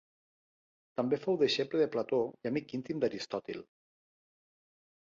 També fou deixeble de Plató i amic íntim d'Aristòtil.